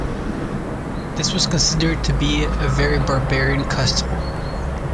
This was considered to be a very 'barbarian' custom.